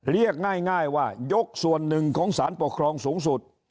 เรียกง่ายว่ายกส่วนหนึ่งของสารปกครองสูงสุด